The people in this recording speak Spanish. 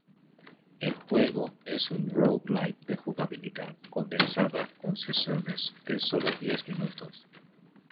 El juego es un roguelike de jugabilidad condensada con sesiones de solo diez minutos.